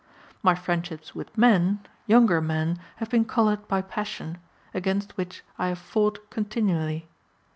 My friendships with men, younger men, have been colored by passion, against which I have fought continually.